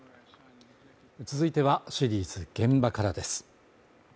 続いてはシリーズ「現場から」です